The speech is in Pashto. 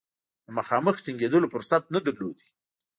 د مخامخ جنګېدلو فرصت نه درلود.